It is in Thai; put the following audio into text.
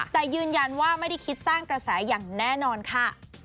แต่ยืนยันว่าไม่ได้คิดสร้างกระแสอย่างแน่นอนค่ะ